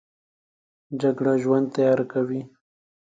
جګړه ژوند تیاره کوي